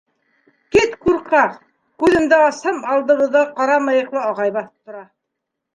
— Кит, ҡурҡаҡ. — күҙемде асһам, алдыбыҙҙа ҡара мыйыҡлы ағай баҫып тора.